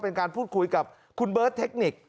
เป็นการพูดคุยกับคุณเบิร์ตเทคนิค